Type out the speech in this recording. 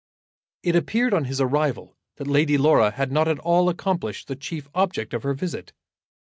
It appeared on his arrival that Lady Laura had not at all accomplished the chief object of her visit.